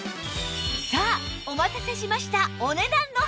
さあお待たせしました